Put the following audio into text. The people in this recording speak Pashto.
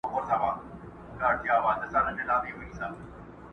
كه موږك هر څه غښتلى گړندى سي٫